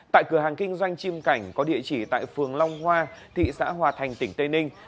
tại cửa hàng kinh doanh chim cảnh có địa chỉ tại phường long hoa thị xã hòa thành tỉnh tây ninh